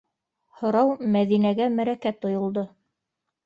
Һорау Мәҙинәгә мәрәкә тойолдо: